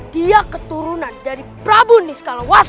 dia keturunan dari prabu niskalawas